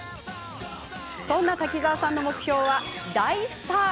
そんな滝沢さんの目標は大スター。